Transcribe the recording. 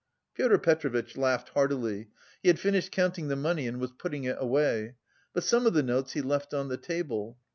Pyotr Petrovitch laughed heartily. He had finished counting the money and was putting it away. But some of the notes he left on the table.